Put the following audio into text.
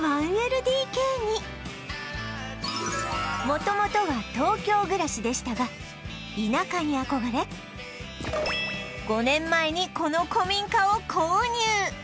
元々は東京暮らしでしたが田舎に憧れ５年前にこの古民家を購入